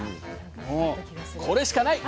もうこれしかない。